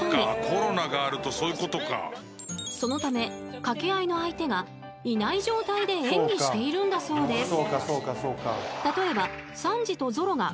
［そのため掛け合いの相手がいない状態で演技しているんだそうです］